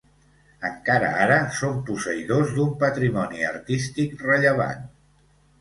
Encara ara són posseïdors d'un patrimoni artístic rellevant.